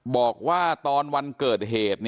บอกว่าตอนวันเกิดเหตุ